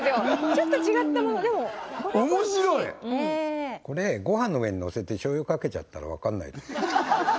ちょっと違ったものでも面白いこれごはんの上にのせて醤油かけちゃったら分かんないですよ